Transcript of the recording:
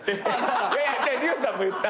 いやいや違う竜さんも言った。